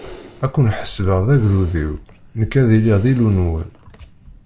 Ad ken-ḥesbeɣ d agdud-iw, nekk ad iliɣ d Illu-nwen.